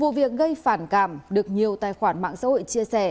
vụ việc gây phản cảm được nhiều tài khoản mạng xã hội chia sẻ